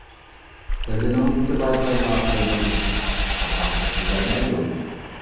بەدىنىڭىزدىكى لاي-پايلار قەلبىڭىزدىكى پاكلىققا داغ تەگكۈزەلمەيدۇ.